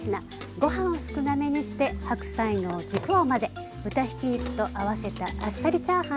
ご飯を少なめにして白菜の軸を混ぜ豚ひき肉と合わせたあっさりチャーハン。